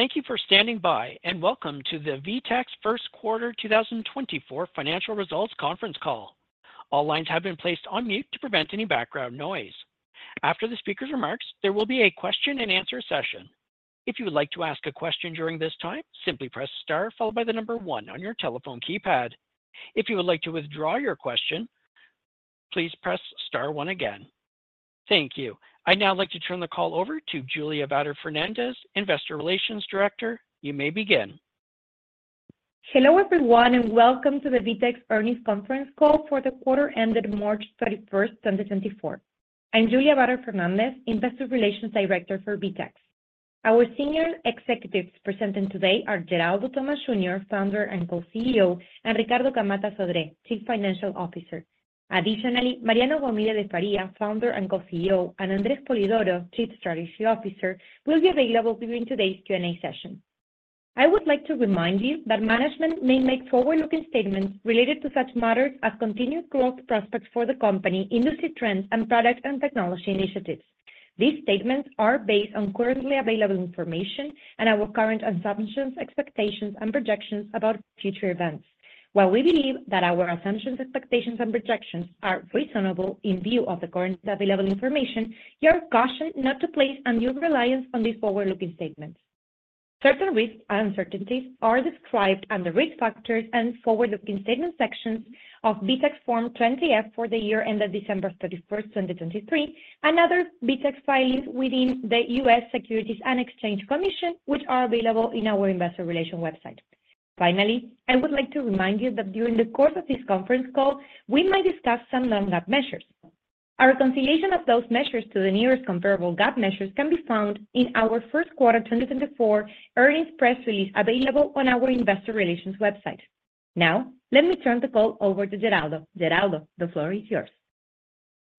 Thank you for standing by, and welcome to the VTEX First Quarter 2024 Financial Results Conference Call. All lines have been placed on mute to prevent any background noise. After the speaker's remarks, there will be a question-and-answer session. If you would like to ask a question during this time, simply press star followed by the number one on your telephone keypad. If you would like to withdraw your question, please press star one again. Thank you. I'd now like to turn the call over to Julia Vater Fernández, Investor Relations Director. You may begin. Hello, everyone, and welcome to the VTEX Earnings Conference Call for the quarter ended March 31, 2024. I'm Julia Vater Fernández, Investor Relations Director for VTEX. Our senior executives presenting today are Geraldo Thomaz Jr., Founder and Co-CEO, and Ricardo Camatta Sodré, Chief Financial Officer. Additionally, Mariano Gomide de Faria, Founder and Co-CEO, and André Spolidoro, Chief Strategy Officer, will be available during today's Q&A session. I would like to remind you that management may make forward-looking statements related to such matters as continued growth prospects for the company, industry trends, and product and technology initiatives. These statements are based on currently available information and our current assumptions, expectations, and projections about future events. While we believe that our assumptions, expectations and projections are reasonable in view of the current available information, you are cautioned not to place undue reliance on these forward-looking statements. Certain risks and uncertainties are described under Risk Factors and Forward-Looking Statement sections of VTEX Form 20-F for the year ended December 31, 2023, and other VTEX filings within the U.S. Securities and Exchange Commission, which are available in our investor relations website. Finally, I would like to remind you that during the course of this conference call, we might discuss some non-GAAP measures. Our reconciliation of those measures to the nearest comparable GAAP measures can be found in our first quarter 2024 earnings press release, available on our investor relations website. Now, let me turn the call over to Geraldo. Geraldo, the floor is yours.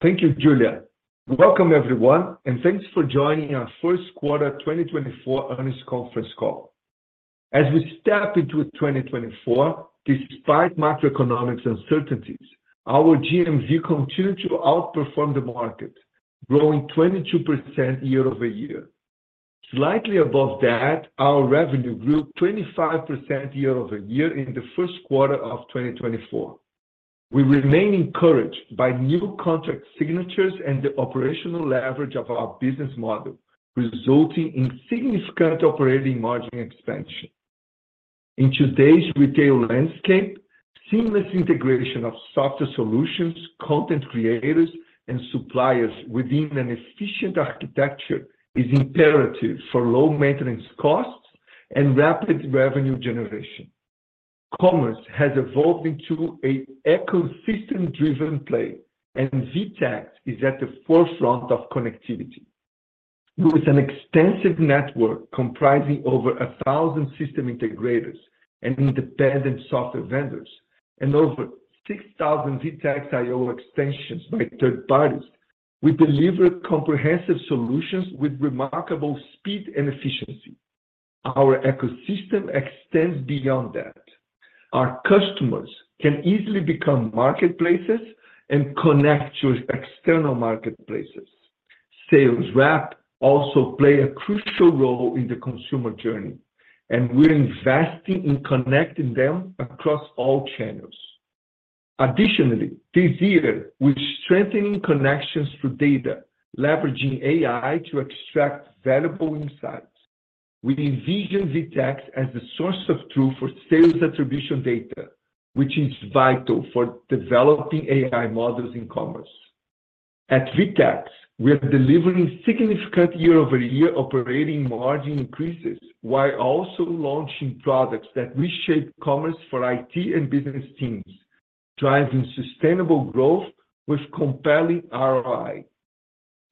Thank you, Julia. Welcome, everyone, and thanks for joining our first quarter 2024 earnings conference call. As we step into 2024, despite macroeconomic uncertainties, our GMV continued to outperform the market, growing 22% year over year. Slightly above that, our revenue grew 25% year over year in the first quarter of 2024. We remain encouraged by new contract signatures and the operational leverage of our business model, resulting in significant operating margin expansion. In today's retail landscape, seamless integration of software solutions, content creators, and suppliers within an efficient architecture is imperative for low maintenance costs and rapid revenue generation. Commerce has evolved into an ecosystem-driven play, and VTEX is at the forefront of connectivity. With an extensive network comprising over 1,000 system integrators and independent software vendors, and over 6,000 VTEX IO extensions by third parties, we deliver comprehensive solutions with remarkable speed and efficiency. Our ecosystem extends beyond that. Our customers can easily become marketplaces and connect to external marketplaces. Sales reps also play a crucial role in the consumer journey, and we're investing in connecting them across all channels. Additionally, this year, we're strengthening connections to data, leveraging AI to extract valuable insights. We envision VTEX as the source of truth for sales attribution data, which is vital for developing AI models in commerce. At VTEX, we are delivering significant year-over-year operating margin increases, while also launching products that reshape commerce for IT and business teams, driving sustainable growth with compelling ROI.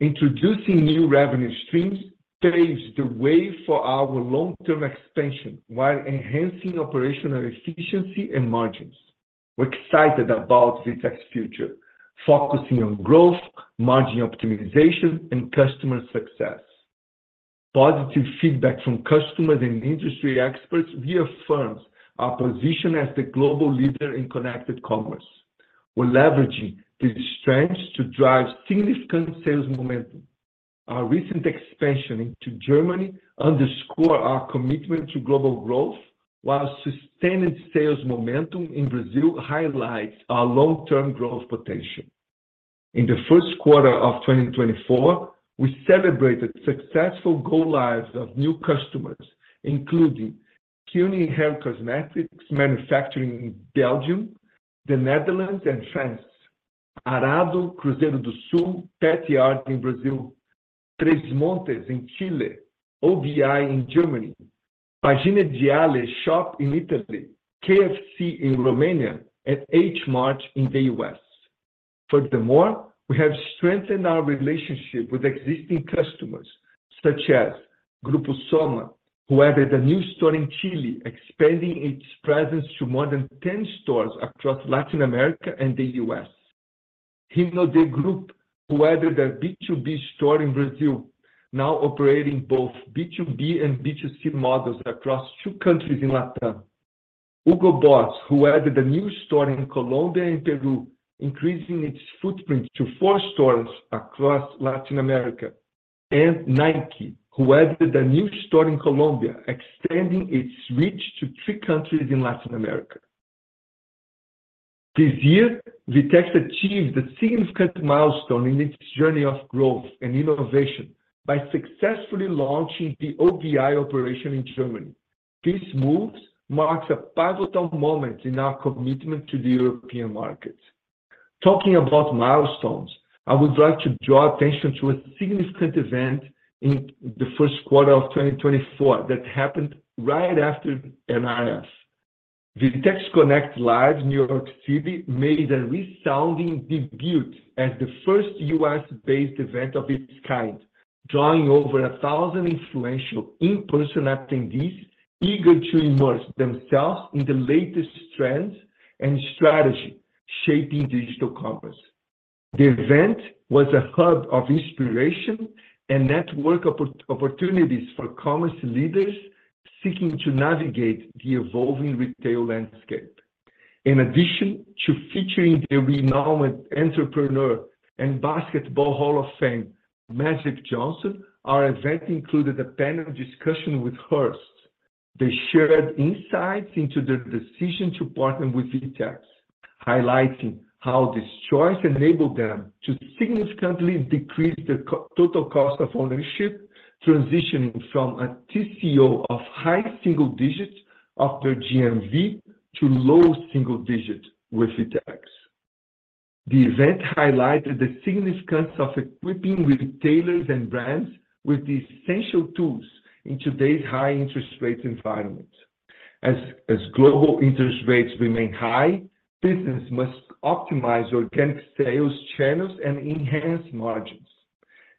Introducing new revenue streams paves the way for our long-term expansion while enhancing operational efficiency and margins. We're excited about VTEX's future, focusing on growth, margin optimization, and customer success. Positive feedback from customers and industry experts reaffirms our position as the global leader in connected commerce. We're leveraging this strength to drive significant sales momentum. Our recent expansion into Germany underscore our commitment to global growth, while sustained sales momentum in Brazil highlights our long-term growth potential. In the first quarter of 2024, we celebrated successful go lives of new customers, including Keune Haircosmetics, manufacturing in Belgium, the Netherlands, and France. Arado, Cruzeiro do Sul, PetYard in Brazil, Tresmontes in Chile, OBI in Germany, PagineGialle Shop in Italy, KFC in Romania, and H Mart in the US. Furthermore, we have strengthened our relationship with existing customers, such as Grupo Soma, who added a new store in Chile, expanding its presence to more than 10 stores across Latin America and the US. Hinode Group, who added a B2B store in Brazil, now operating both B2B and B2C models across two countries in Latin.... Hugo Boss, who added a new store in Colombia and Peru, increasing its footprint to four stores across Latin America. Nike, who added a new store in Colombia, extending its reach to three countries in Latin America. This year, VTEX achieved a significant milestone in its journey of growth and innovation by successfully launching the OBI operation in Germany. This move marks a pivotal moment in our commitment to the European market. Talking about milestones, I would like to draw attention to a significant event in the first quarter of 2024 that happened right after NRF. VTEX Connect Live, New York City, made a resounding debut as the first U.S.-based event of its kind, drawing over 1,000 influential in-person attendees eager to immerse themselves in the latest trends and strategy shaping digital commerce. The event was a hub of inspiration and network opportunities for commerce leaders seeking to navigate the evolving retail landscape. In addition to featuring the renowned entrepreneur and Basketball Hall of Famer, Magic Johnson, our event included a panel discussion with Hearst. They shared insights into their decision to partner with VTEX, highlighting how this choice enabled them to significantly decrease the total cost of ownership, transitioning from a TCO of high single digits of their GMV to low single digits with VTEX. The event highlighted the significance of equipping retailers and brands with the essential tools in today's high interest rate environment. As global interest rates remain high, businesses must optimize organic sales channels and enhance margins.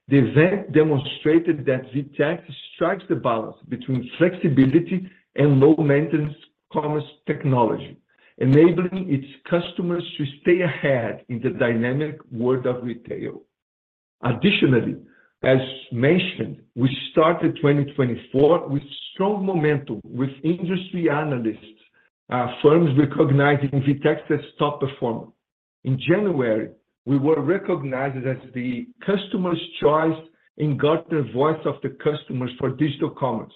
The event demonstrated that VTEX strikes the balance between flexibility and low-maintenance commerce technology, enabling its customers to stay ahead in the dynamic world of retail. Additionally, as mentioned, we started 2024 with strong momentum, with industry analysts, firms recognizing VTEX as top performer. In January, we were recognized as the customer's choice in Gartner Voice of the Customer for Digital Commerce.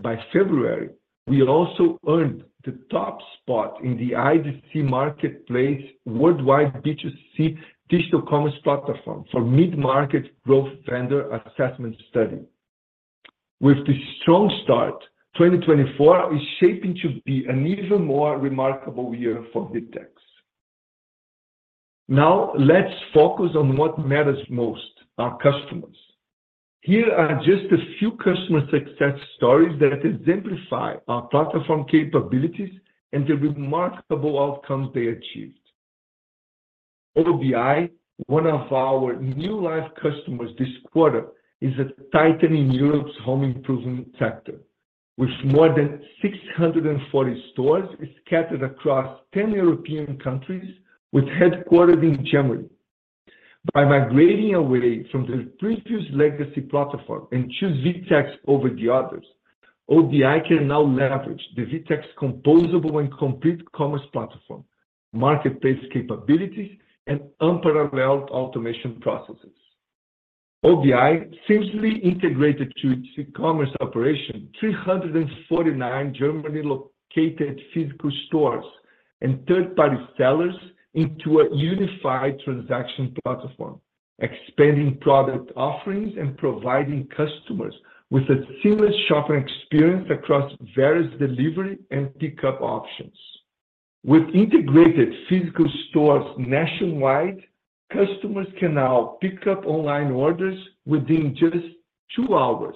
By February, we also earned the top spot in the IDC MarketScape worldwide B2C digital commerce platform for mid-market growth vendor assessment study. With this strong start, 2024 is shaping to be an even more remarkable year for VTEX. Now, let's focus on what matters most, our customers. Here are just a few customer success stories that exemplify our platform capabilities and the remarkable outcomes they achieved. OBI, one of our new live customers this quarter, is a titan in Europe's home improvement sector. With more than 640 stores scattered across 10 European countries, with headquarters in Germany. By migrating away from the previous legacy platform and choose VTEX over the others, OBI can now leverage the VTEX composable and complete commerce platform, marketplace capabilities, and unparalleled automation processes. OBI seamlessly integrated to its commerce operation, 349 Germany-located physical stores and third-party sellers into a unified transaction platform, expanding product offerings and providing customers with a seamless shopping experience across various delivery and pickup options. With integrated physical stores nationwide, customers can now pick up online orders within just 2 hours,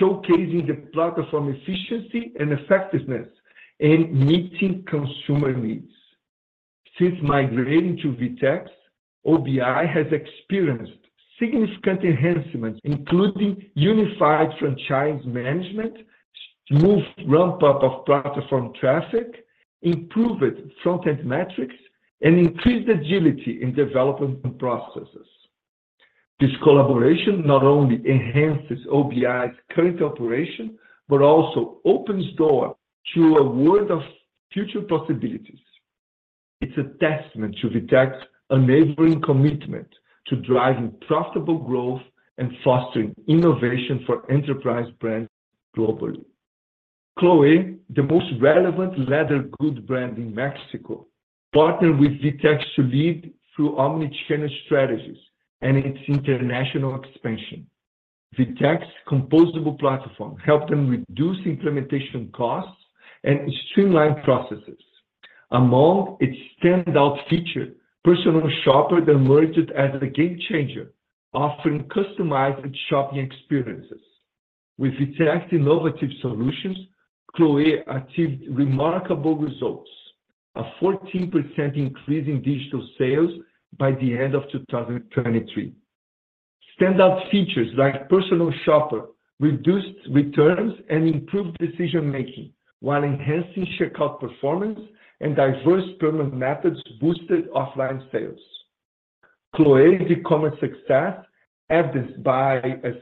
showcasing the platform efficiency and effectiveness in meeting consumer needs. Since migrating to VTEX, OBI has experienced significant enhancements, including unified franchise management, smooth ramp-up of platform traffic, improved front-end metrics, and increased agility in development and processes. This collaboration not only enhances OBI's current operation, but also opens door to a world of future possibilities. It's a testament to VTEX's enabling commitment to driving profitable growth and fostering innovation for enterprise brands globally. Cloe, the most relevant leather goods brand in Mexico, partnered with VTEX to lead through omnichannel strategies and its international expansion. VTEX composable platform helped them reduce implementation costs and streamline processes. Among its standout feature, Personal Shopper emerged as a game changer, offering customized shopping experiences. With VTEX innovative solutions, Cloe achieved remarkable results, a 14% increase in digital sales by the end of 2023. Standout features like Personal Shopper, reduced returns and improved decision-making, while enhancing checkout performance and diverse payment methods boosted offline sales. Cloe's e-commerce success, evidenced by a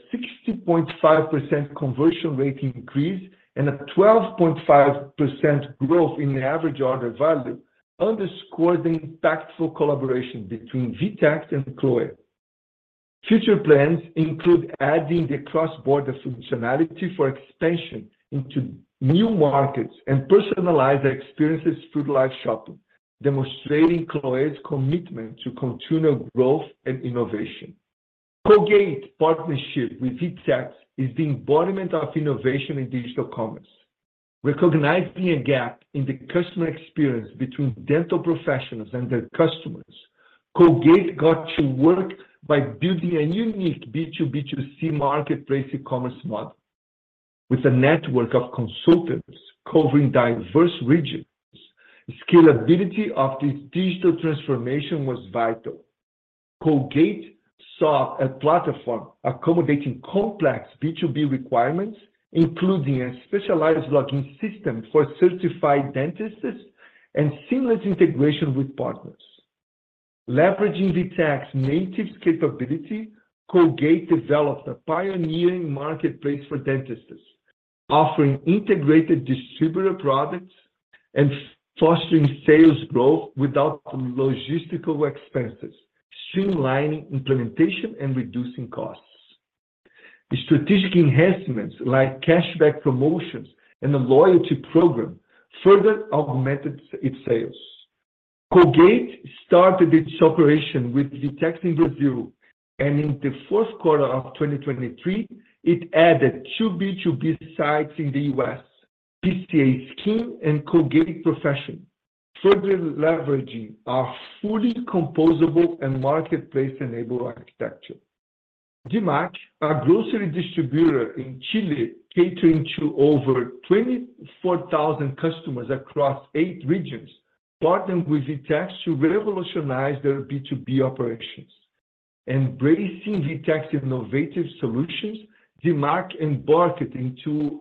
60.5% conversion rate increase and a 12.5% growth in average order value, underscores the impactful collaboration between VTEX and Cloe. Future plans include adding the cross-border functionality for expansion into new markets and personalize the experiences through live shopping, demonstrating Cloe's commitment to continual growth and innovation. Colgate partnership with VTEX is the embodiment of innovation in digital commerce. Recognizing a gap in the customer experience between dental professionals and their customers, Colgate got to work by building a unique B2B2C marketplace e-commerce model. With a network of consultants covering diverse regions, scalability of this digital transformation was vital. Colgate sought a platform accommodating complex B2B requirements, including a specialized login system for certified dentists and seamless integration with partners. Leveraging VTEX native capability, Colgate developed a pioneering marketplace for dentists, offering integrated distributor products and fostering sales growth without logistical expenses, streamlining implementation and reducing costs. The strategic enhancements like cashback promotions and a loyalty program further augmented its sales. Colgate started its operation with VTEX in Brazil, and in the fourth quarter of 2023, it added two B2B sites in the U.S.: PCA Skin and Colgate Professional, further leveraging our fully composable and marketplace-enabled architecture. Dimak, a grocery distributor in Chile, catering to over 24,000 customers across eight regions, partnered with VTEX to revolutionize their B2B operations. Embracing VTEX innovative solutions, Dimak embarked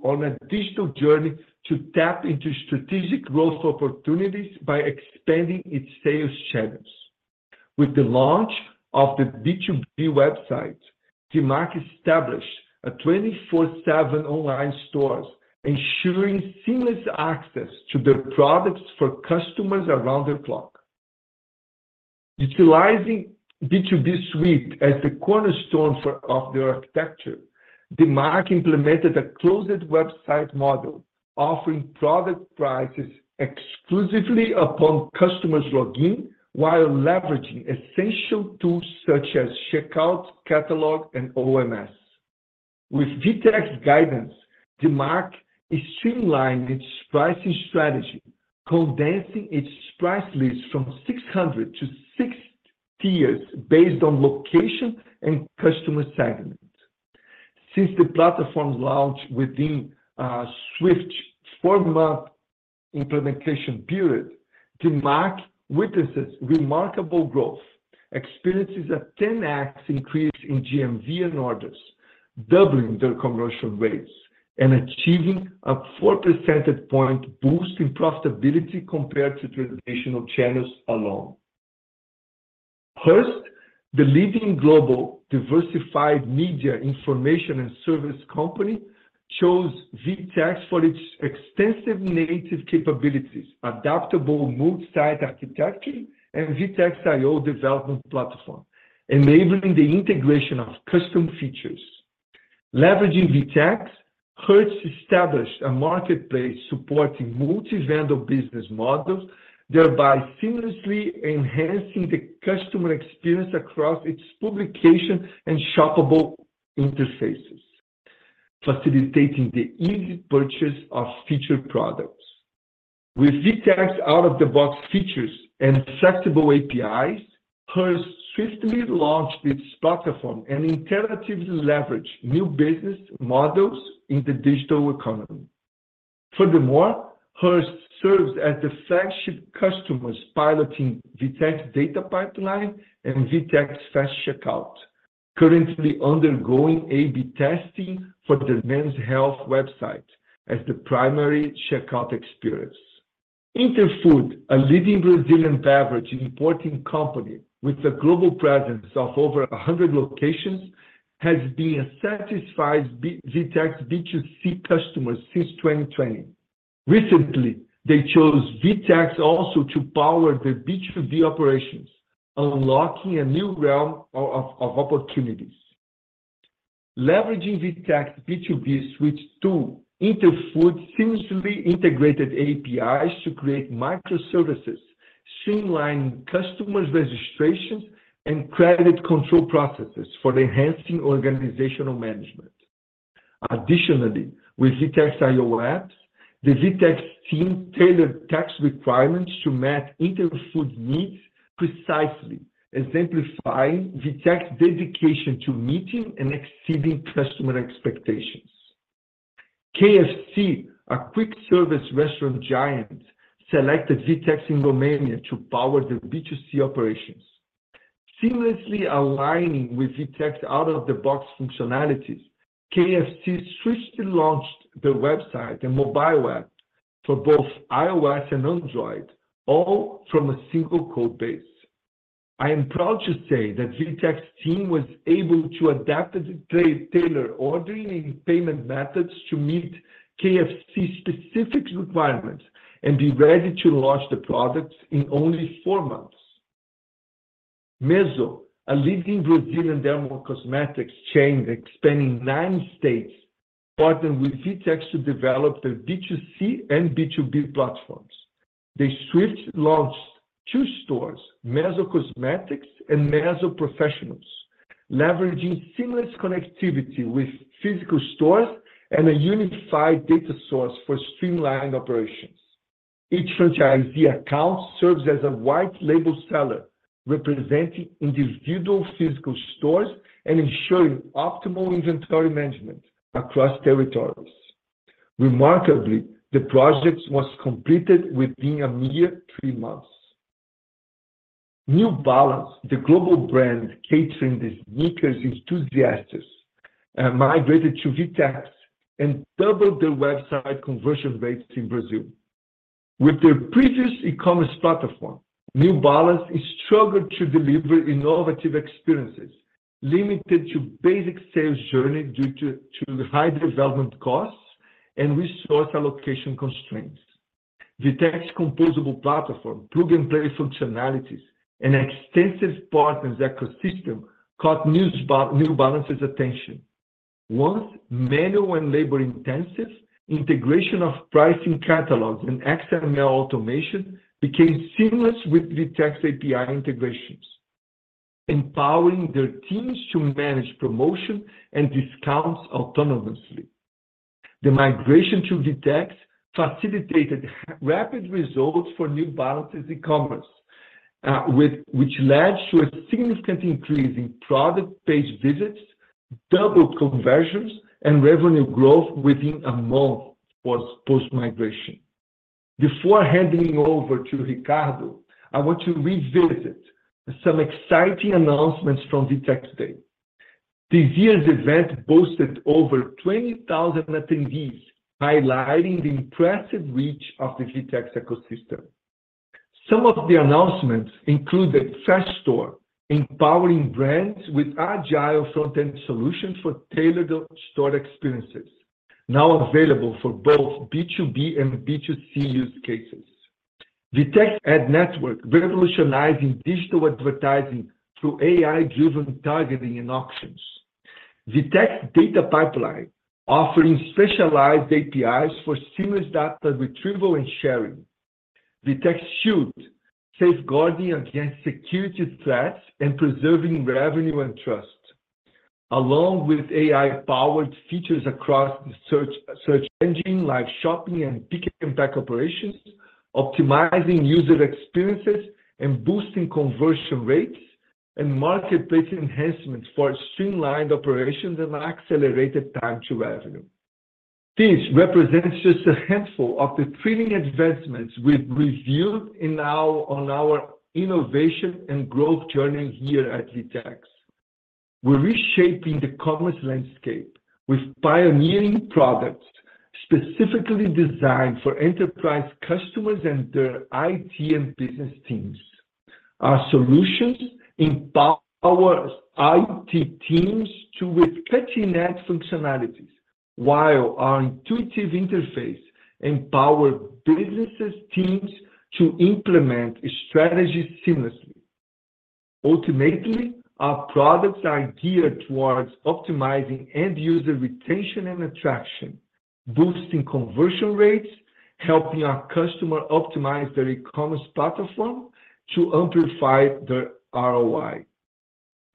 on a digital journey to tap into strategic growth opportunities by expanding its sales channels. With the launch of the B2B website, Dimak established a 24/7 online stores, ensuring seamless access to their products for customers around the clock. Utilizing B2B Suite as the cornerstone of their architecture, Dimak implemented a closed website model, offering product prices exclusively upon customers login, while leveraging essential tools such as checkout, catalog, and OMS. With VTEX guidance, Dimak is streamlining its pricing strategy, condensing its price list from 600 to 6 tiers based on location and customer segment. Since the platform's launch within a swift 4-month implementation period, Dimak witnesses remarkable growth, experiences a 10x increase in GMV and orders, doubling their conversion rates, and achieving a 4 percentage point boost in profitability compared to traditional channels alone. Hearst, the leading global diversified media information and service company, chose VTEX for its extensive native capabilities, adaptable multi-site architecture, and VTEX IO development platform, enabling the integration of custom features. Leveraging VTEX, Hearst established a marketplace supporting multi-vendor business models, thereby seamlessly enhancing the customer experience across its publication and shoppable interfaces, facilitating the easy purchase of featured products. With VTEX out-of-the-box features and flexible APIs, Hearst swiftly launched its platform and interactively leveraged new business models in the digital economy. Furthermore, Hearst serves as the flagship customers piloting VTEX Data Pipeline and VTEX fast checkout, currently undergoing A/B testing for the Men's Health website as the primary checkout experience. Interfood, a leading Brazilian beverage importing company with a global presence of over a hundred locations, has been a satisfied B2B VTEX B2C customer since 2020. Recently, they chose VTEX also to power their B2B operations, unlocking a new realm of opportunities. Leveraging VTEX B2B Suite tool, Interfood seamlessly integrated APIs to create microservices, streamline customer registration, and credit control processes for enhancing organizational management. Additionally, with VTEX IO apps, the VTEX team tailored tax requirements to match Interfood needs precisely, exemplifying VTEX dedication to meeting and exceeding customer expectations. KFC, a quick service restaurant giant, selected VTEX in Romania to power their B2C operations. Seamlessly aligning with VTEX out-of-the-box functionalities, KFC swiftly launched the website and mobile app... for both iOS and Android, all from a single code base. I am proud to say that VTEX team was able to adapt and tailor ordering and payment methods to meet KFC's specific requirements, and be ready to launch the products in only four months. Mezzo, a leading Brazilian dermocosmetics chain expanding nine states, partnered with VTEX to develop their B2C and B2B platforms. They swiftly launched two stores, Mezzo Cosmetics and Mezzo Professionals, leveraging seamless connectivity with physical stores and a unified data source for streamlined operations. Each franchisee account serves as a white label seller, representing individual physical stores and ensuring optimal inventory management across territories. Remarkably, the project was completed within a mere three months. New Balance, the global brand catering to sneakers enthusiasts, migrated to VTEX and doubled their website conversion rates in Brazil. With their previous e-commerce platform, New Balance struggled to deliver innovative experiences, limited to basic sales journey due to high development costs and resource allocation constraints. VTEX composable platform, plug-and-play functionalities, and extensive partners ecosystem caught New Balance's attention. Once manual and labor-intensive integration of pricing catalogs and XML automation became seamless with VTEX API integrations, empowering their teams to manage promotion and discounts autonomously. The migration to VTEX facilitated rapid results for New Balance's e-commerce, with which led to a significant increase in product page visits, double conversions, and revenue growth within a month was post-migration. Before handing over to Ricardo, I want to revisit some exciting announcements from VTEX Day. This year's event boasted over 20,000 attendees, highlighting the impressive reach of the VTEX ecosystem. Some of the announcements include the FastStore, empowering brands with agile front-end solutions for tailored store experiences, now available for both B2B and B2C use cases. VTEX Ad Network, revolutionizing digital advertising through AI-driven targeting and auctions. VTEX Data Pipeline, offering specialized APIs for seamless data retrieval and sharing. VTEX Shield, safeguarding against security threats and preserving revenue and trust, along with AI-powered features across the search, search engine like shopping and pick-and-pack operations, optimizing user experiences and boosting conversion rates, and marketplace enhancements for streamlined operations and accelerated time to revenue. These represent just a handful of the thrilling advancements we've revealed on our innovation and growth journey here at VTEX. We're reshaping the commerce landscape with pioneering products specifically designed for enterprise customers and their IT and business teams. Our solutions empower IT teams to with cutting-edge functionalities, while our intuitive interface empower businesses teams to implement strategies seamlessly. Ultimately, our products are geared towards optimizing end-user retention and attraction, boosting conversion rates, helping our customer optimize their e-commerce platform to amplify their ROI.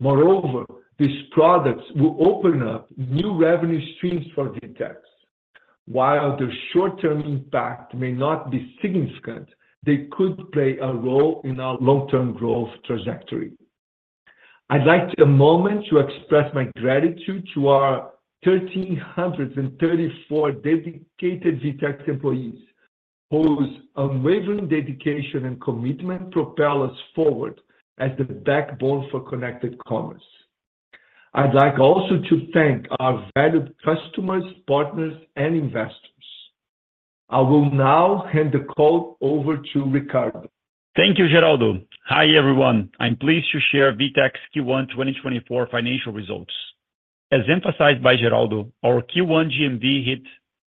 Moreover, these products will open up new revenue streams for VTEX. While the short-term impact may not be significant, they could play a role in our long-term growth trajectory. I'd like a moment to express my gratitude to our 1,334 dedicated VTEX employees, whose unwavering dedication and commitment propel us forward as the backbone for connected commerce. I'd like also to thank our valued customers, partners, and investors. I will now hand the call over to Ricardo. Thank you, Geraldo. Hi, everyone. I'm pleased to share VTEX Q1 2024 financial results. As emphasized by Geraldo, our Q1 GMV hit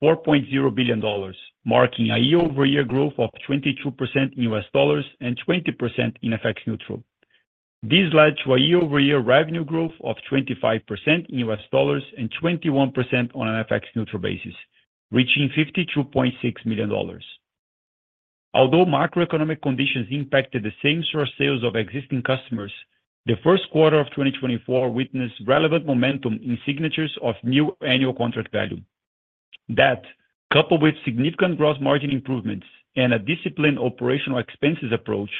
$4.0 billion, marking a year-over-year growth of 22% in U.S. dollars and 20% in FX neutral. This led to a year-over-year revenue growth of 25% in U.S. dollars and 21% on an FX neutral basis, reaching $52.6 million. Although macroeconomic conditions impacted the same store sales of existing customers, the first quarter of 2024 witnessed relevant momentum in signatures of new annual contract value. That, coupled with significant gross margin improvements and a disciplined operational expenses approach,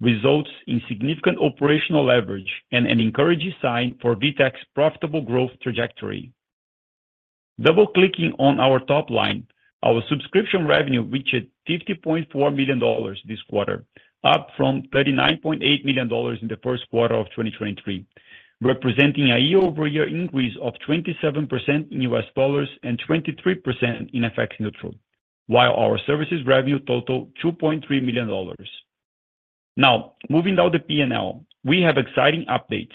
results in significant operational leverage and an encouraging sign for VTEX profitable growth trajectory. Double-clicking on our top line, our subscription revenue reached $50.4 million this quarter, up from $39.8 million in the first quarter of 2023, representing a year-over-year increase of 27% in US dollars and 23% in FX neutral, while our services revenue totaled $2.3 million. Now, moving down the P&L, we have exciting updates.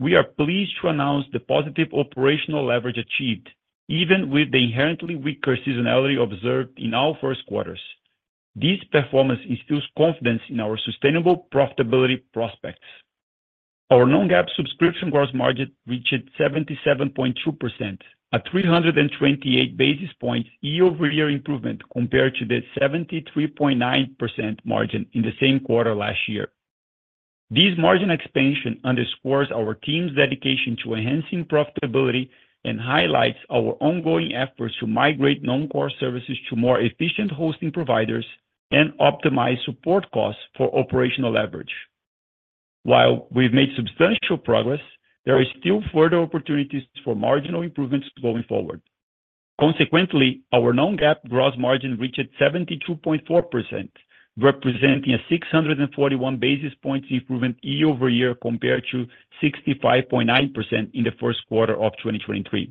We are pleased to announce the positive operational leverage achieved, even with the inherently weaker seasonality observed in our first quarters. This performance instills confidence in our sustainable profitability prospects. Our non-GAAP subscription gross margin reached 77.2%, a 328 basis points year-over-year improvement compared to the 73.9% margin in the same quarter last year. This margin expansion underscores our team's dedication to enhancing profitability and highlights our ongoing efforts to migrate non-core services to more efficient hosting providers and optimize support costs for operational leverage. While we've made substantial progress, there is still further opportunities for marginal improvements going forward. Consequently, our non-GAAP gross margin reached 72.4%, representing a 641 basis points improvement year-over-year compared to 65.9% in the first quarter of 2023.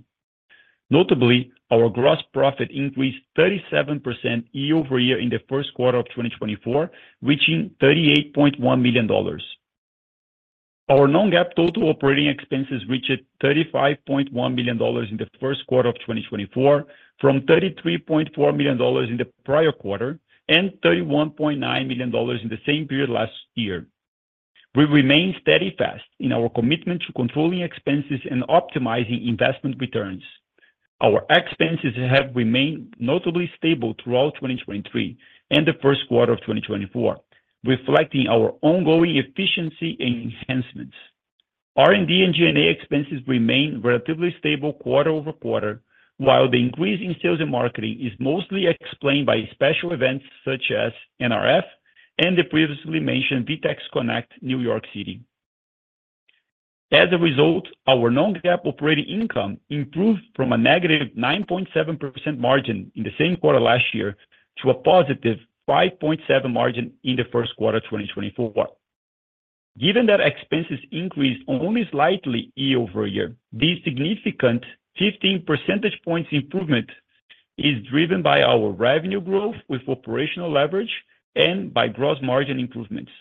Notably, our gross profit increased 37% year-over-year in the first quarter of 2024, reaching $38.1 million. Our non-GAAP total operating expenses reached $35.1 million in the first quarter of 2024, from $33.4 million in the prior quarter, and $31.9 million in the same period last year. We remain steadfast in our commitment to controlling expenses and optimizing investment returns. Our expenses have remained notably stable throughout 2023 and the first quarter of 2024, reflecting our ongoing efficiency and enhancements. R&D and G&A expenses remain relatively stable quarter over quarter, while the increase in sales and marketing is mostly explained by special events such as NRF and the previously mentioned VTEX Connect, New York City. As a result, our non-GAAP operating income improved from a negative 9.7% margin in the same quarter last year to a positive 5.7% margin in the first quarter of 2024. Given that expenses increased only slightly year-over-year, this significant 15 percentage points improvement is driven by our revenue growth with operational leverage and by gross margin improvements.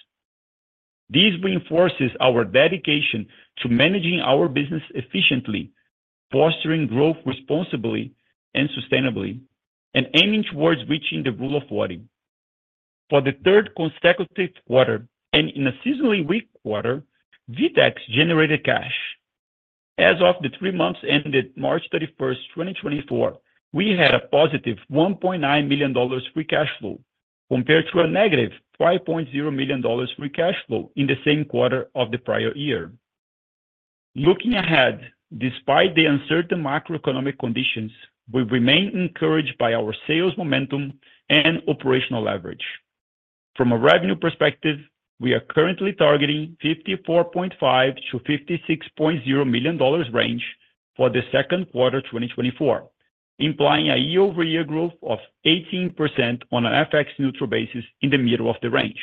This reinforces our dedication to managing our business efficiently, fostering growth responsibly and sustainably, and aiming towards reaching the Rule of 40. For the third consecutive quarter, and in a seasonally weak quarter, VTEX generated cash. As of the three months ended March 31, 2024, we had a positive $1.9 million free cash flow, compared to a negative $5.0 million free cash flow in the same quarter of the prior year. Looking ahead, despite the uncertain macroeconomic conditions, we remain encouraged by our sales momentum and operational leverage. From a revenue perspective, we are currently targeting $54.5-$56.0 million range for the second quarter 2024, implying a year-over-year growth of 18% on an FX neutral basis in the middle of the range.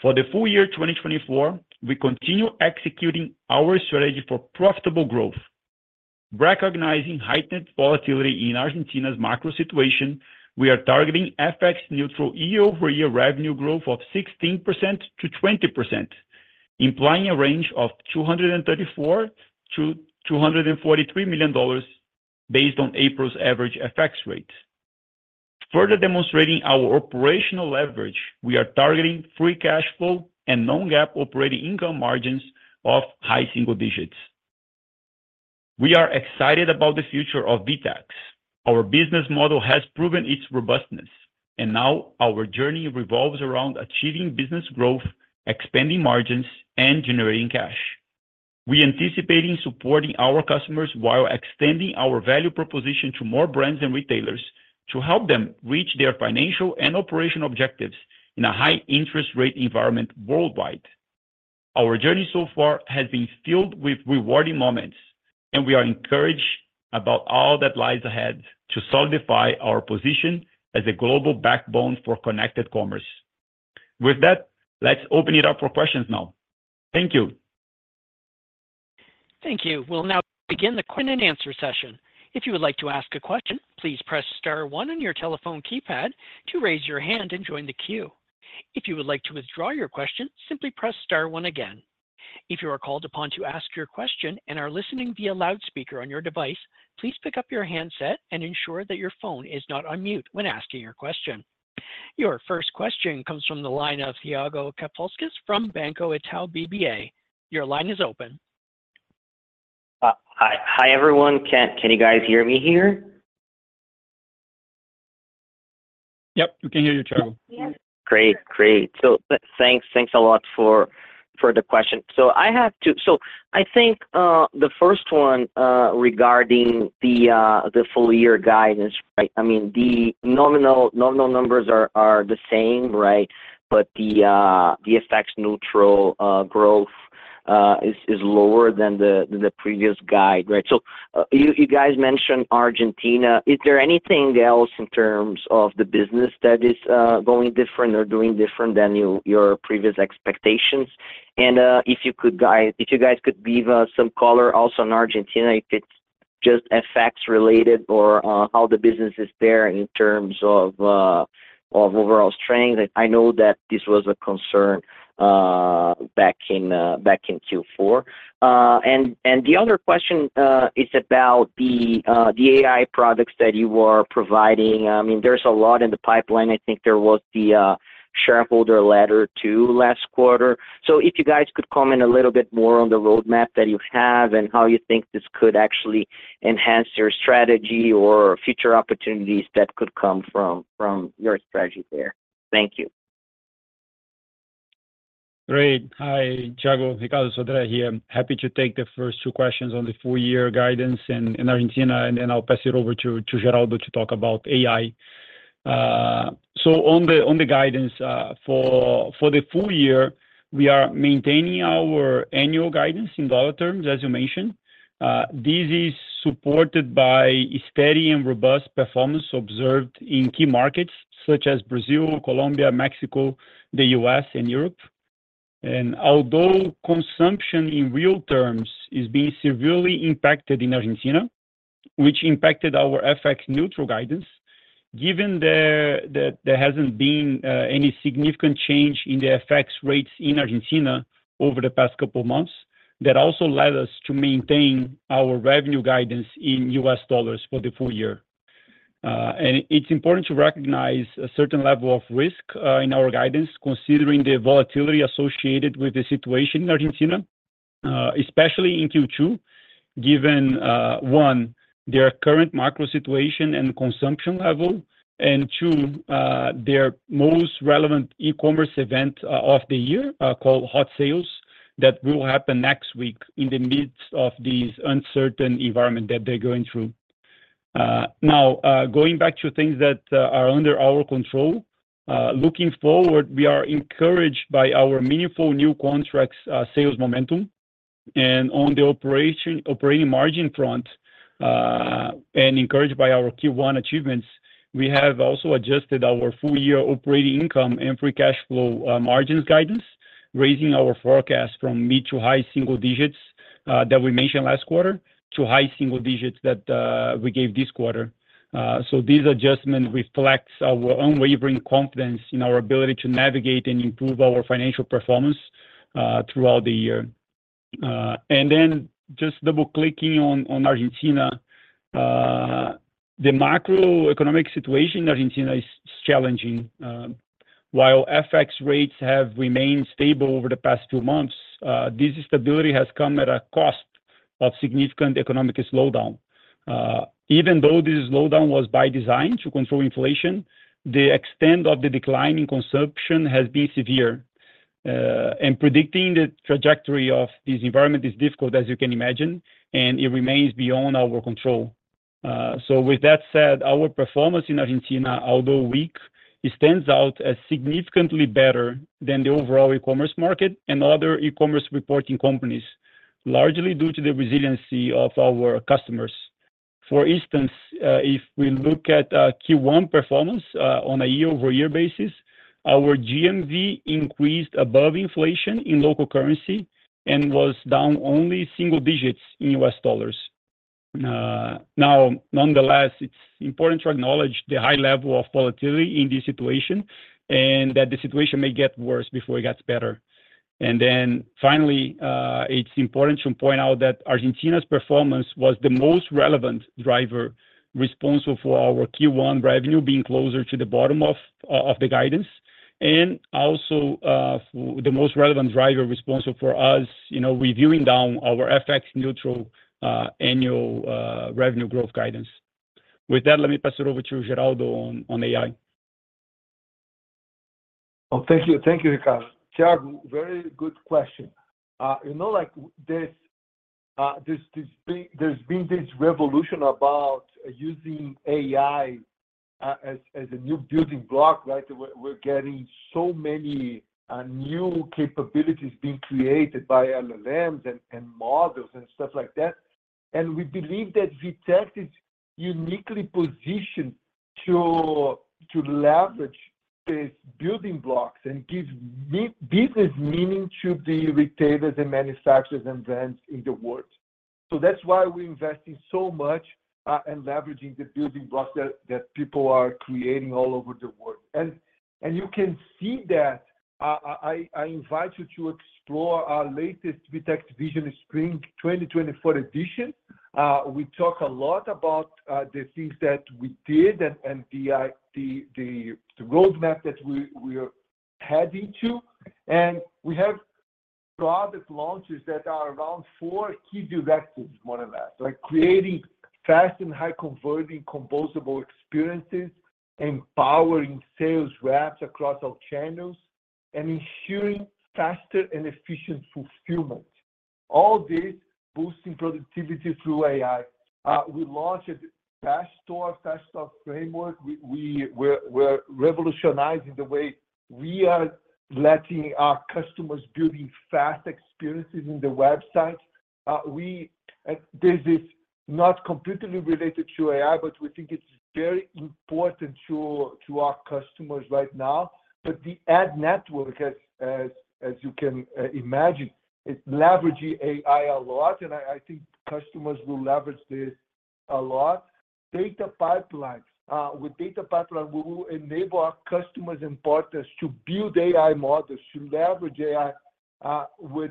For the full year 2024, we continue executing our strategy for profitable growth. Recognizing heightened volatility in Argentina's macro situation, we are targeting FX neutral year-over-year revenue growth of 16%-20%, implying a range of $234 million-$243 million based on April's average FX rates. Further demonstrating our operational leverage, we are targeting free cash flow and non-GAAP operating income margins of high single digits. We are excited about the future of VTEX. Our business model has proven its robustness, and now our journey revolves around achieving business growth, expanding margins, and generating cash. We're anticipating supporting our customers while extending our value proposition to more brands and retailers to help them reach their financial and operational objectives in a high interest rate environment worldwide. Our journey so far has been filled with rewarding moments, and we are encouraged about all that lies ahead to solidify our position as a global backbone for connected commerce. With that, let's open it up for questions now. Thank you. Thank you. We'll now begin the Q&A answer session. If you would like to ask a question, please press star one on your telephone keypad to raise your hand and join the queue. If you would like to withdraw your question, simply press star one again. If you are called upon to ask your question and are listening via loudspeaker on your device, please pick up your handset and ensure that your phone is not on mute when asking your question. Your first question comes from the line of Thiago Kapulskis from Banco Itaú BBA. Your line is open. Hi, hi, everyone. Can you guys hear me here? Yep, we can hear you, Thiago. Great. Great. So thanks a lot for the question. So I have two... So I think the first one regarding the full year guidance, right? I mean, the nominal numbers are the same, right? But the FX neutral growth is lower than the previous guide, right? So you guys mentioned Argentina. Is there anything else in terms of the business that is going different or doing different than your previous expectations? And if you could guide—if you guys could give some color also on Argentina, if it's just FX related or how the business is there in terms of overall strength? I know that this was a concern back in Q4. And the other question is about the AI products that you are providing. I mean, there's a lot in the pipeline. I think there was the shareholder letter too last quarter. So if you guys could comment a little bit more on the roadmap that you have, and how you think this could actually enhance your strategy or future opportunities that could come from your strategy there. Thank you. Great. Hi, Thiago, Ricardo Sodré here. Happy to take the first two questions on the full year guidance in Argentina, and then I'll pass it over to Geraldo to talk about AI. So on the guidance for the full year, we are maintaining our annual guidance in dollar terms as you mentioned. This is supported by a steady and robust performance observed in key markets such as Brazil, Colombia, Mexico, the U.S., and Europe. And although consumption in real terms is being severely impacted in Argentina, which impacted our FX neutral guidance, given that there hasn't been any significant change in the FX rates in Argentina over the past couple of months, that also led us to maintain our revenue guidance in US dollars for the full year. It's important to recognize a certain level of risk in our guidance, considering the volatility associated with the situation in Argentina, especially in Q2, given one, their current macro situation and consumption level, and two, their most relevant e-commerce event of the year called Hot Sales that will happen next week in the midst of this uncertain environment that they're going through. Now, going back to things that are under our control. Looking forward, we are encouraged by our meaningful new contracts, sales momentum. And on the operating margin front, and encouraged by our Q1 achievements, we have also adjusted our full year operating income and free cash flow margins guidance, raising our forecast from mid to high single digits that we mentioned last quarter, to high single digits that we gave this quarter. So these adjustments reflects our unwavering confidence in our ability to navigate and improve our financial performance throughout the year. And then just double-clicking on Argentina. The macroeconomic situation in Argentina is challenging. While FX rates have remained stable over the past two months, this stability has come at a cost of significant economic slowdown. Even though this slowdown was by design to control inflation, the extent of the decline in consumption has been severe. And predicting the trajectory of this environment is difficult, as you can imagine, and it remains beyond our control. So with that said, our performance in Argentina, although weak, it stands out as significantly better than the overall e-commerce market and other e-commerce reporting companies, largely due to the resiliency of our customers. For instance, if we look at Q1 performance, on a year-over-year basis, our GMV increased above inflation in local currency and was down only single digits in US dollars. Now, nonetheless, it's important to acknowledge the high level of volatility in this situation, and that the situation may get worse before it gets better. And then finally, it's important to point out that Argentina's performance was the most relevant driver responsible for our Q1 revenue being closer to the bottom of the guidance, and also, the most relevant driver responsible for us, you know, reviewing down our FX Neutral annual revenue growth guidance. With that, let me pass it over to Geraldo on AI. Oh, thank you. Thank you, Ricardo. Thiago, very good question. You know, like there's been this revolution about using AI as a new building block, right? We're getting so many new capabilities being created by LLMs and models and stuff like that. And we believe that VTEX is uniquely positioned to leverage these building blocks and give business meaning to the retailers and manufacturers and brands in the world. So that's why we're investing so much in leveraging the building blocks that people are creating all over the world. And you can see that. I invite you to explore our latest VTEX Vision Spring 2024 edition. We talk a lot about the things that we did and the roadmap that we're heading to. We have product launches that are around four key directives, more or less, like creating fast and high converting composable experiences, empowering sales reps across all channels, and ensuring faster and efficient fulfillment. All this boosting productivity through AI. We launched a FastStore framework. We're revolutionizing the way we are letting our customers building fast experiences in the website. This is not completely related to AI, but we think it's very important to our customers right now. But the ad network, as you can imagine, is leveraging AI a lot, and I think customers will leverage this a lot. Data pipelines, with data pipeline, we will enable our customers and partners to build AI models, to leverage AI, with,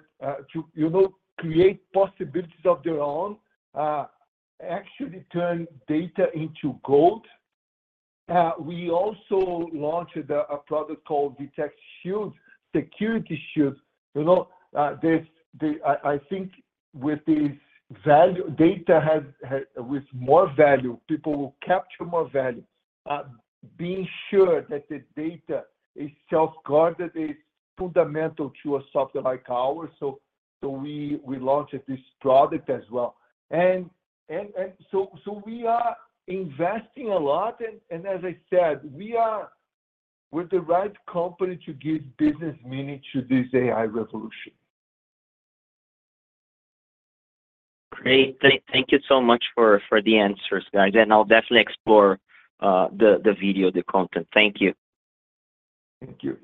to, you know, create possibilities of their own, actually turn data into gold. We also launched a product called VTEX Shield, security shield. You know, this, I think with this value, data has with more value, people will capture more value. Being sure that the data is self-guarded is fundamental to a software like ours. So we launched this product as well. And so we are investing a lot, and as I said, we're the right company to give business meaning to this AI revolution. Great. Thank you so much for the answers, guys, and I'll definitely explore the video, the content. Thank you. Thank you.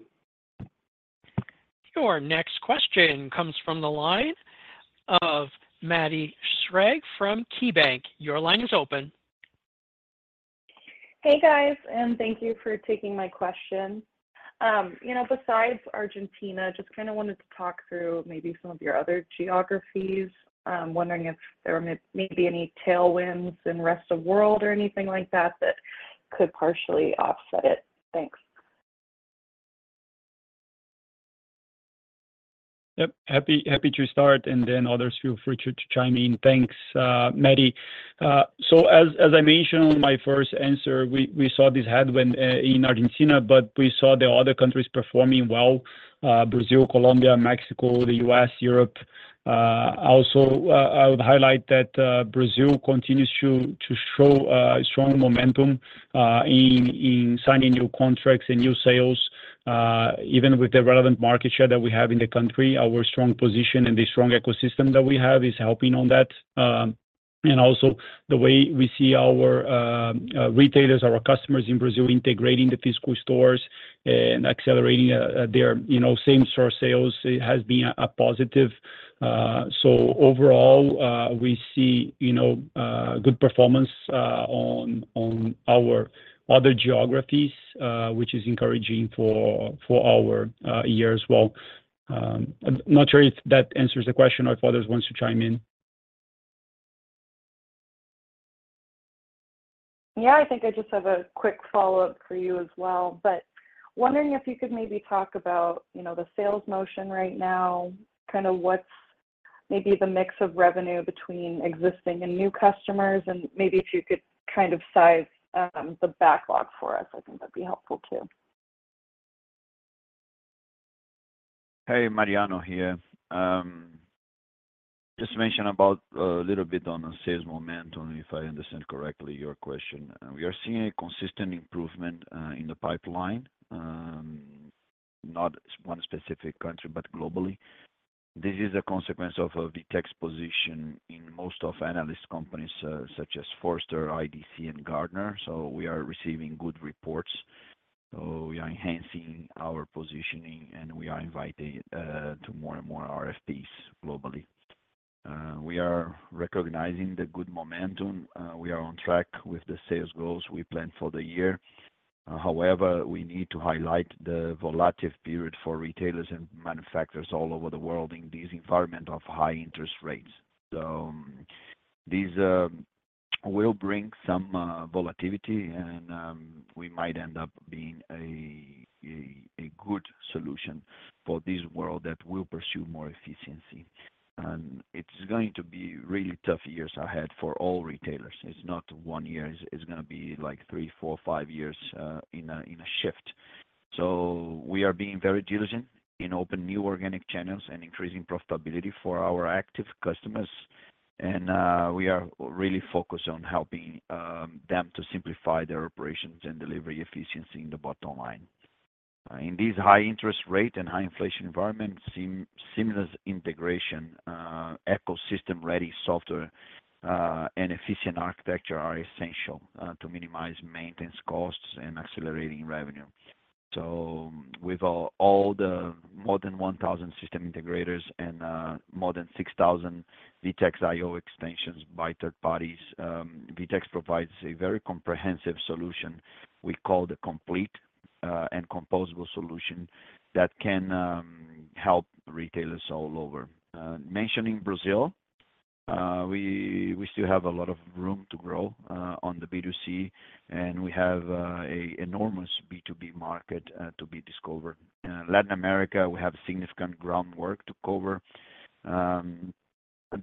Your next question comes from the line of Maddie Schrage from KeyBanc. Your line is open. Hey, guys, and thank you for taking my question. You know, besides Argentina, just kind of wanted to talk through maybe some of your other geographies. Wondering if there were maybe any tailwinds in rest of world or anything like that, that could partially offset it. Thanks. Yep. Happy, happy to start, and then others feel free to chime in. Thanks, Maddie. So as I mentioned in my first answer, we saw this headwind in Argentina, but we saw the other countries performing well, Brazil, Colombia, Mexico, the US, Europe. Also, I would highlight that Brazil continues to show strong momentum in signing new contracts and new sales. Even with the relevant market share that we have in the country, our strong position and the strong ecosystem that we have is helping on that. And also the way we see our retailers, our customers in Brazil integrating the physical stores and accelerating their, you know, same store sales has been a positive. So overall, we see, you know, good performance on our other geographies, which is encouraging for our year as well. I'm not sure if that answers the question or if others want to chime in. Yeah, I think I just have a quick follow-up for you as well, but wondering if you could maybe talk about, you know, the sales motion right now. Kind of what's maybe the mix of revenue between existing and new customers, and maybe if you could kind of size, the backlog for us. I think that'd be helpful too. Hey, Mariano here. Just mention about a little bit on the sales momentum, if I understand correctly, your question. We are seeing a consistent improvement in the pipeline, not one specific country, but globally. This is a consequence of VTEX position in most of analyst companies such as Forrester, IDC, and Gartner. So we are receiving good reports. So we are enhancing our positioning, and we are invited to more and more RFPs globally. We are recognizing the good momentum. We are on track with the sales goals we planned for the year. However, we need to highlight the volatile period for retailers and manufacturers all over the world in this environment of high interest rates. So this will bring some volatility, and we might end up being a good solution for this world that will pursue more efficiency. And it's going to be really tough years ahead for all retailers. It's not one year, it's gonna be like three, four, five years in a shift. So we are being very diligent in open new organic channels and increasing profitability for our active customers. And we are really focused on helping them to simplify their operations and delivery efficiency in the bottom line. In this high interest rate and high inflation environment, seamless integration, ecosystem-ready software, and efficient architecture are essential to minimize maintenance costs and accelerating revenue. So with all the more than 1,000 system integrators and more than 6,000 VTEX IO extensions by third parties, VTEX provides a very comprehensive solution. We call the complete and composable solution that can help retailers all over. Mentioning Brazil, we still have a lot of room to grow on the B2C, and we have an enormous B2B market to be discovered. Latin America, we have significant groundwork to cover.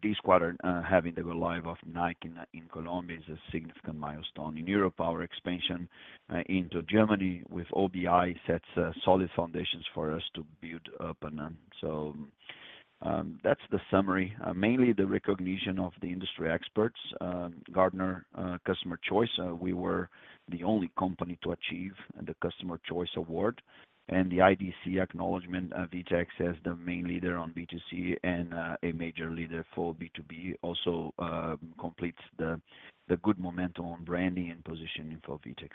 This quarter, having the go-live of Nike in Colombia is a significant milestone. In Europe, our expansion into Germany with OBI sets solid foundations for us to build upon. And so, that's the summary. Mainly the recognition of the industry experts, Gartner Customers' Choice. We were the only company to achieve the Customer Choice Award, and the IDC acknowledgment of VTEX as the main leader on B2C and a major leader for B2B, also completes the good momentum on branding and positioning for VTEX....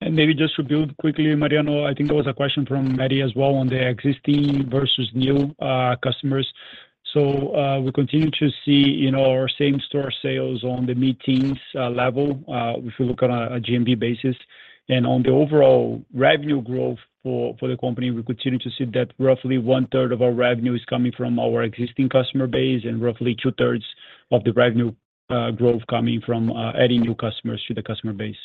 And maybe just to build quickly, Mariano, I think there was a question from Mary as well on the existing versus new customers. So, we continue to see, you know, our same store sales on the mid-teens level, if you look on a GMV basis. And on the overall revenue growth for, for the company, we continue to see that roughly one third of our revenue is coming from our existing customer base, and roughly two thirds of the revenue growth coming from adding new customers to the customer base.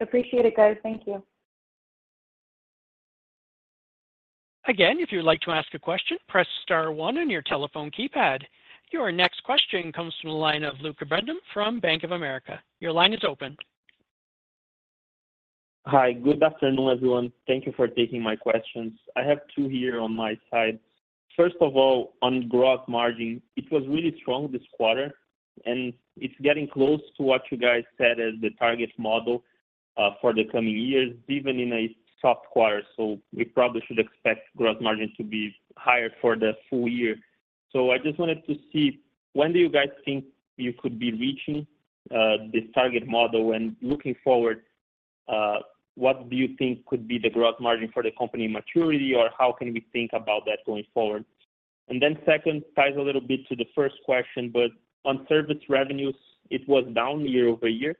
Appreciate it, guys. Thank you. Again, if you'd like to ask a question, press star one on your telephone keypad. Your next question comes from the line of Lucca Brendim from Bank of America. Your line is open. Hi. Good afternoon, everyone. Thank you for taking my questions. I have two here on my side. First of all, on gross margin, it was really strong this quarter, and it's getting close to what you guys said as the target model, for the coming years, even in a soft quarter. So we probably should expect gross margin to be higher for the full year. So I just wanted to see, when do you guys think you could be reaching, this target model? And looking forward, what do you think could be the gross margin for the company maturity, or how can we think about that going forward? And then second, ties a little bit to the first question, but on service revenues, it was down year over year.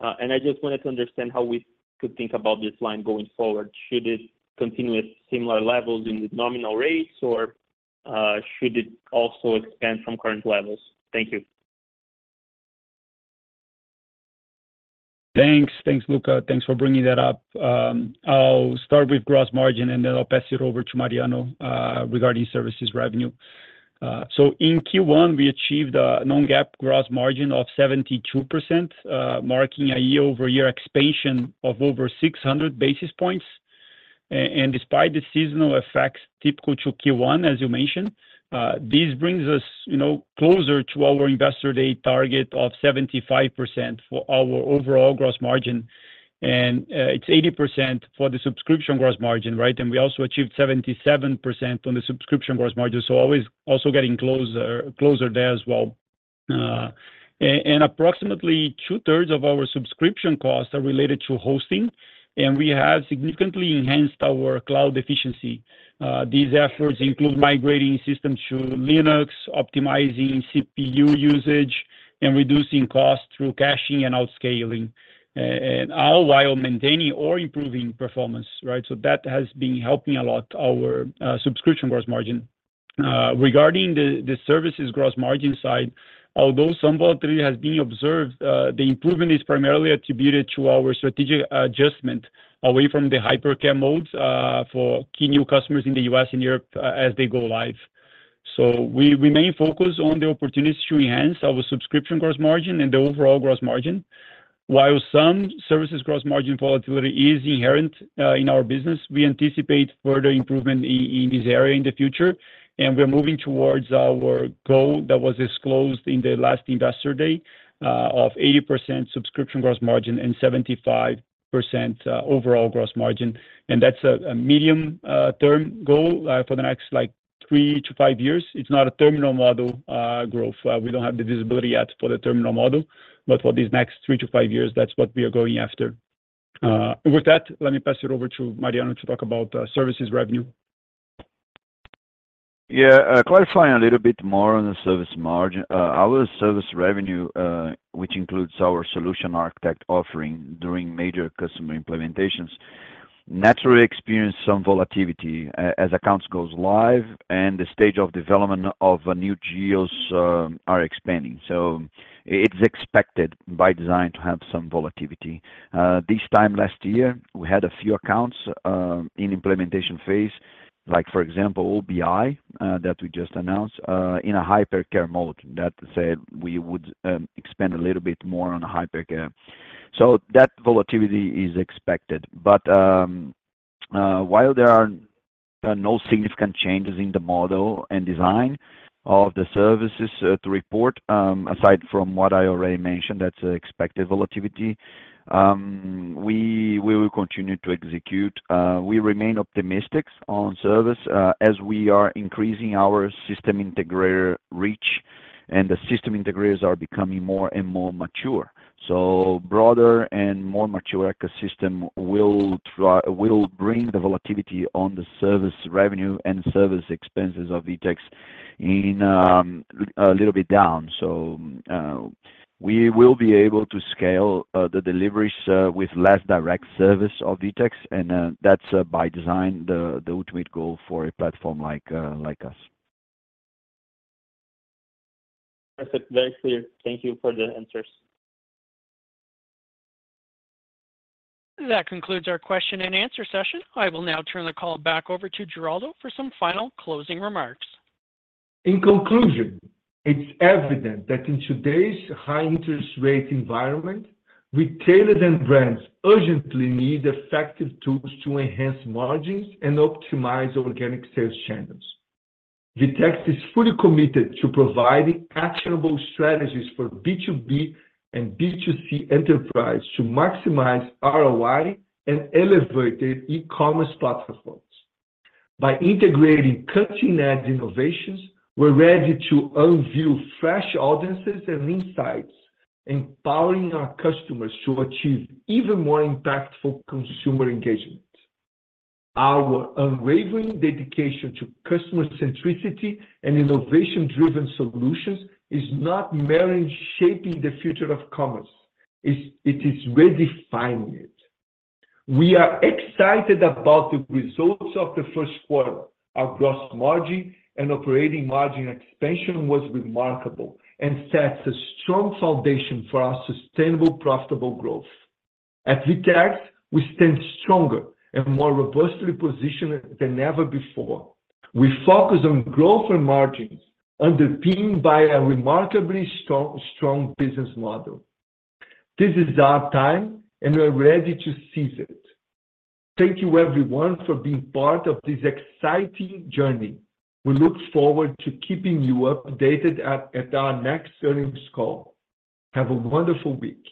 And I just wanted to understand how we could think about this line going forward. Should it continue at similar levels in the nominal rates, or, should it also expand from current levels? Thank you. Thanks. Thanks, Luca. Thanks for bringing that up. I'll start with gross margin, and then I'll pass it over to Mariano regarding services revenue. So in Q1, we achieved a Non-GAAP gross margin of 72%, marking a year-over-year expansion of over 600 basis points. And despite the seasonal effects typical to Q1, as you mentioned, this brings us, you know, closer to our investor day target of 75% for our overall gross margin. And it's 80% for the subscription gross margin, right? And we also achieved 77% on the subscription gross margin. So always also getting closer, closer there as well. And approximately two-thirds of our subscription costs are related to hosting, and we have significantly enhanced our cloud efficiency. These efforts include migrating systems to Linux, optimizing CPU usage, and reducing costs through caching and autoscaling, and all while maintaining or improving performance, right? So that has been helping a lot our subscription gross margin. Regarding the services gross margin side, although some volatility has been observed, the improvement is primarily attributed to our strategic adjustment away from the hypercare modes for key new customers in the U.S. and Europe as they go live. So we remain focused on the opportunities to enhance our subscription gross margin and the overall gross margin. While some services gross margin volatility is inherent in our business, we anticipate further improvement in this area in the future. We're moving towards our goal that was disclosed in the last investor day, of 80% subscription gross margin and 75%, overall gross margin. That's a medium-term goal, for the next, like, three to five years. It's not a terminal model growth. We don't have the visibility yet for the terminal model, but for these next three to five years, that's what we are going after. With that, let me pass it over to Mariano to talk about, services revenue. Yeah, clarifying a little bit more on the service margin. Our service revenue, which includes our solution architect offering during major customer implementations, naturally experience some volatility as accounts goes live and the stage of development of new geos are expanding. So it's expected by design to have some volatility. This time last year, we had a few accounts in implementation phase, like for example, OBI, that we just announced, in a hypercare mode that said we would expand a little bit more on hypercare. So that volatility is expected. But, while there are no significant changes in the model and design of the services to report, aside from what I already mentioned, that's expected volatility, we will continue to execute. We remain optimistic on service, as we are increasing our system integrator reach, and the system integrators are becoming more and more mature. So broader and more mature ecosystem will bring the volatility on the service revenue and service expenses of VTEX in a little bit down. So, we will be able to scale the deliveries with less direct service of VTEX, and that's by design, the ultimate goal for a platform like us. Perfect. Very clear. Thank you for the answers. That concludes our question and answer session. I will now turn the call back over to Geraldo for some final closing remarks. In conclusion, it's evident that in today's high interest rate environment, retailers and brands urgently need effective tools to enhance margins and optimize organic sales channels. VTEX is fully committed to providing actionable strategies for B2B and B2C enterprise to maximize ROI and elevate their e-commerce platforms. By integrating cutting-edge innovations, we're ready to unveil fresh audiences and insights, empowering our customers to achieve even more impactful consumer engagement. Our unwavering dedication to customer centricity and innovation-driven solutions is not merely shaping the future of commerce, it is redefining it. We are excited about the results of the first quarter. Our gross margin and operating margin expansion was remarkable and sets a strong foundation for our sustainable, profitable growth. At VTEX, we stand stronger and more robustly positioned than ever before. We focus on growth and margins, underpinned by a remarkably strong, strong business model. This is our time, and we're ready to seize it. Thank you everyone for being part of this exciting journey. We look forward to keeping you updated at our next earnings call. Have a wonderful week.